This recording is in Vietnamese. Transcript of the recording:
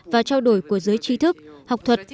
và trao đổi của giới trí thức học thuật